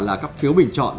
là các phiếu bình chọn